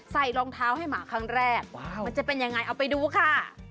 รองเท้าให้หมาครั้งแรกมันจะเป็นยังไงเอาไปดูค่ะ